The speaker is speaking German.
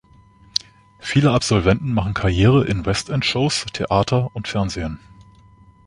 Viele Absolventen machen Karriere in West End Shows, Theater und Fernsehen.